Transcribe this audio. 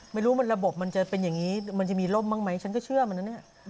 ไม่รู้มันระบบมันจะเป็นอย่างนี้มันจะมีร่มบ้างไหมฉันก็เชื่อมันนะเนี่ย